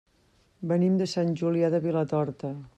Venim de Sant Julià de Vilatorta.